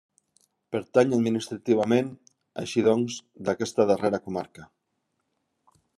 Pertany administrativament, així doncs, d'aquesta darrera comarca.